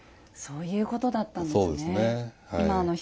そういうことだったんですね。